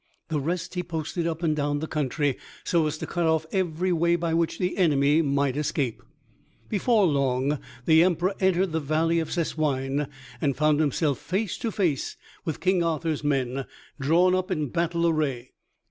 The rest he posted up and down the country, so as to cut off every way by which the enemy might escape. Before long the Emperor entered the valley of Sessoigne, and found himself face to face with King Arthur's men, drawn up in battle array.